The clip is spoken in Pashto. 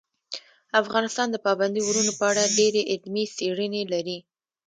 افغانستان د پابندي غرونو په اړه ډېرې علمي څېړنې لري.